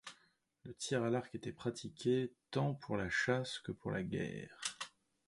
Le tir à l'arc était pratiqué tant pour la chasse que pour la guerre.